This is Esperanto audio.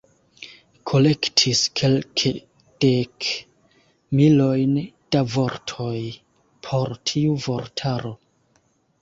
Kolektis kelkdek milojn da vortoj por tiu vortaro.